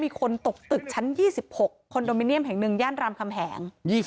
มีคนตกตึกชั้น๒๖คอนโดมิเนียมแห่งหนึ่งย่านรามคำแหง